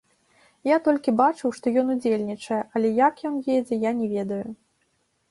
Я толькі бачыў, што ён удзельнічае, але як ён едзе, я не ведаю.